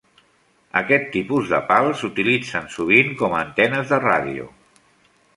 Aquest tipus de pals s'utilitzen sovint com a antenes de ràdio.